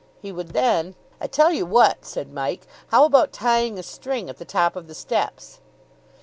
He would then " "I tell you what," said Mike, "how about tying a string at the top of the steps?"